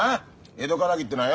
江戸かたぎってのはよ